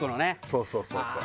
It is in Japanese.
そうそうそうそう。